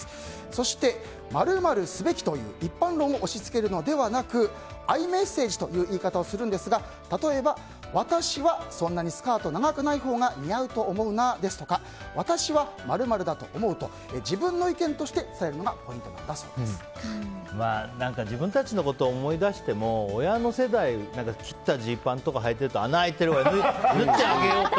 そして、○○すべきという一般論を押し付けるのではなくアイメッセージという言い方をするんですが例えば私はそんなにスカート長くないほうが似合うと思うなですとか私は○○だと思うと自分の意見として自分たちのことを思い出しても親の世代、切ったジーパンとかはいてると穴開いてるから縫ってあげようか？